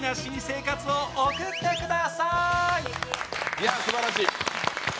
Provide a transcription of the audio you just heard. いやすばらしい。